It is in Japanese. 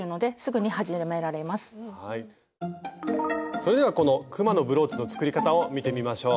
それではこのくまのブローチの作り方を見てみましょう。